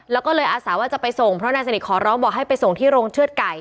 แล้วก็เลยอาสาว่าจะไปส่งเพราะนายสนิทขอร้องบอกให้ไปส่งที่โรงเชือดไก่